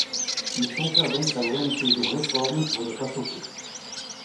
Il tempère donc sa volonté de Réforme pour ne pas choquer.